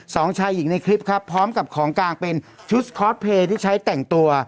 สองชายอีกในคลิปครับพร้อมกับของกลางเป็นชุดที่ใช้แต่งตัว